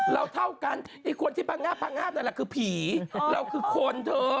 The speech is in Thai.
นางคิดแบบว่าไม่ไหวแล้วไปกด